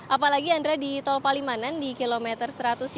apalagi andra di tol palimanan di kilometer satu ratus tiga puluh